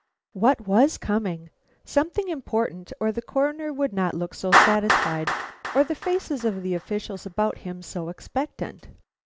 What was coming? Something important, or the Coroner would not look so satisfied, or the faces of the officials about him so expectant.